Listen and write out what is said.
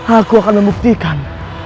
aku akan membuktikan